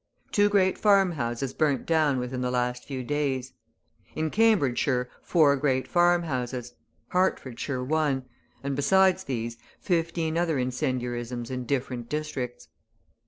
Two great farmhouses burnt down within the last few days; in Cambridgeshire four great farmhouses, Hertfordshire one, and besides these, fifteen other incendiarisms in different districts.